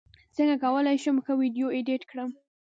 څنګه کولی شم ښه ویډیو ایډیټ کړم